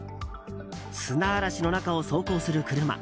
砂嵐の中を走行する車。